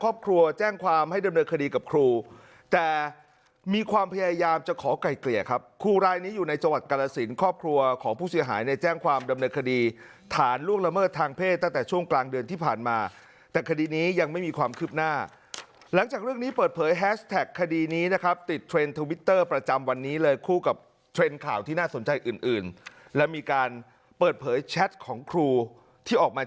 ประจำวันนี้เลยคู่กับเทรนด์ข่าวที่น่าสนใจอื่นและมีการเปิดเผยแชทของครูที่ออกมา